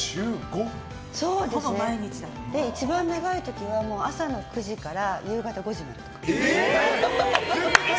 一番、長い時は朝の９時から夕方５時までとか。